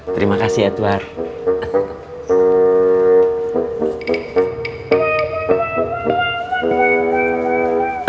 terima kasih edward